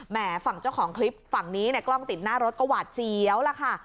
ฝั่งเจ้าของคลิปฝั่งนี้เนี่ยกล้องติดหน้ารถก็หวาดเสียวล่ะค่ะ